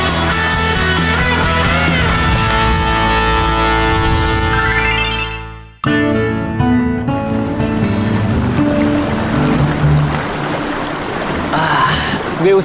สวัสดีครับ